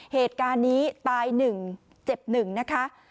เหตุการณ์นี้ตาย๑เจ็บ๑นะคะ